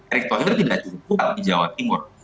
erik kohir tidak cukup kuat di jawa timur